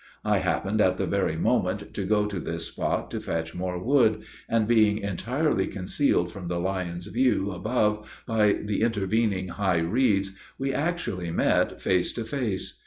I happened at the very moment to go to this spot to fetch more wood, and, being entirely concealed from the lion's view above by the intervening high reeds, we actually met face to face!